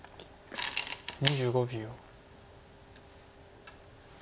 ２５秒。